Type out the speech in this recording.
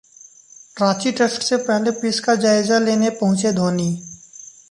Ranchi test से पहले pitch का जायजा लेने पहुंचे धोनी